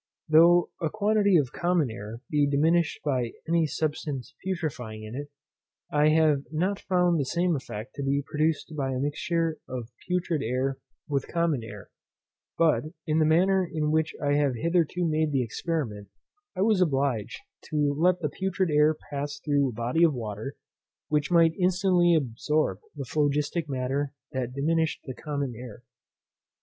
Though a quantity of common air be diminished by any substance putrefying in it, I have not yet found the same effect to be produced by a mixture of putrid air with common air; but, in the manner in which I have hitherto made the experiment, I was obliged to let the putrid air pass through a body of water, which might instantly absorb the phlogistic matter that diminished the common air.